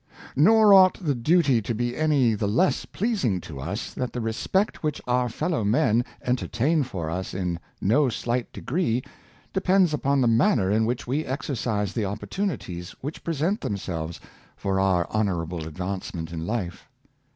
" Nor ought the duty to be any the less pleasing to us that the respect which our fellow men entertain for us in no slight degree depends upon the manner in which we exercise the opportunities which present themselves for our honorable advance ment in life.